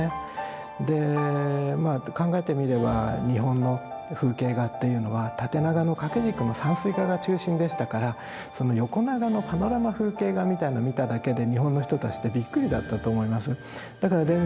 まあ考えてみれば日本の風景画っていうのは縦長の掛け軸の山水画が中心でしたからその横長のパノラマ風景画みたいなのを見ただけで日本の人たちってびっくりだったと思いますよ。